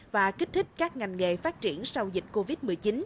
và kích thích các ngành nghề phát triển sau dịch covid một mươi chín